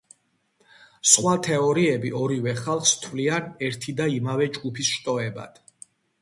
სხვა თეორიები ორივე ხალხს თვლიან ერთი და იმავე ჯგუფის შტოებად.